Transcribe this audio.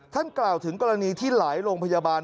กล่าวถึงกรณีที่หลายโรงพยาบาล